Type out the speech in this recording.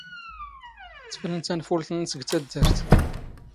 ⵜⴼⵍ ⵏⵏ ⵜⴰⵏⴼⵓⵍⵜ ⵏⵏⵙ ⴳ ⵜⴰⴷⴷⴰⵔⵜ.